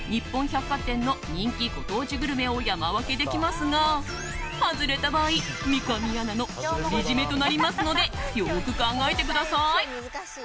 ひんかんの人気ご当地グルメを山分けできますが、外れた場合三上アナの独り占めとなりますのでよく考えてください。